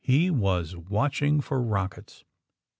He was watching for rockets.